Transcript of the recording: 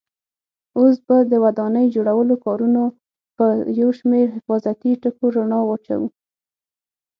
اوس به د ودانۍ جوړولو کارونو په یو شمېر حفاظتي ټکو رڼا واچوو.